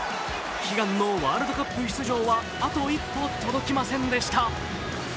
悲願のワールドカップ出場はあと一歩届きませんでした。